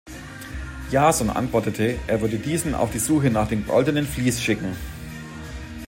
Jason antwortete, er würde diesen auf die Suche nach dem Goldenen Vlies schicken.